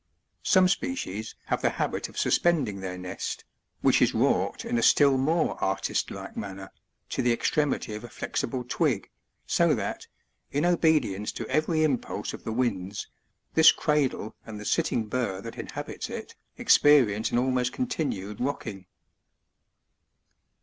Some species have the habit of suspending their nest, which is wrought in a still more artist like manner, to the extremity of a flexible twig, so that, in obedience to every impulse of the winds, this cradle and the sitting bird that inhabits it, experience an almost con tinued rocking.